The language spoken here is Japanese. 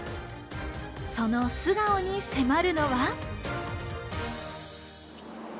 その素顔に迫るのは。